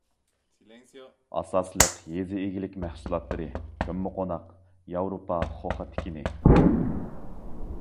ئاساسلىق يېزا ئىگىلىك مەھسۇلاتلىرى كۆممىقوناق، ياۋروپا خوخا تىكىنى.